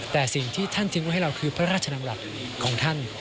แต่สิ่งที่ท่านทิ้งไว้ให้เราคือพระราชนำหลักของท่าน